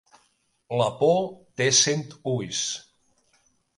La por té cent ulls.